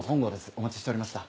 お待ちしておりました。